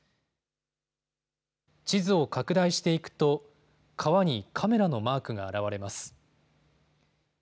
地図を拡大していくと、川にカメラのマークが表れます。